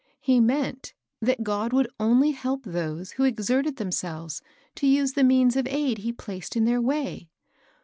He meant that God would only help those who exerted themselves to use the means of aid he placed in their way.